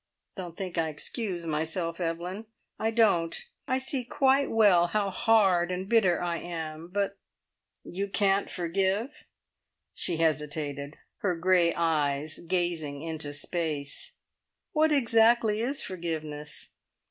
Don't think I excuse myself, Evelyn. I don't! I see quite well how hard and bitter I am, but " "You can't forgive?" She hesitated, her grey eyes gazing into space. "What exactly is forgiveness?